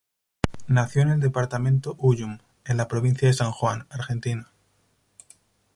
Nació en el departamento Ullum, en la provincia de San Juan, Argentina.